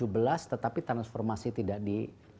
ah hasil hasilnya prison sih ini kan juga